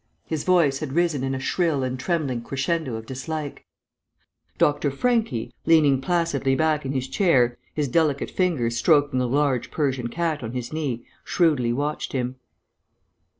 His voice had risen in a shrill and trembling crescendo of dislike. Dr. Franchi, leaning placidly back in his chair, his delicate fingers stroking a large Persian cat on his knee, shrewdly watched him.